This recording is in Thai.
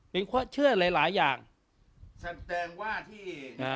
มีความเชื่อหลายหลายอย่างแสดงว่าที่แกพูดตรงเนี้ย